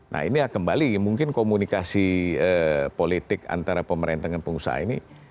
nah ini ya kembali mungkin komunikasi politik antara pemerintah dengan pengusaha ini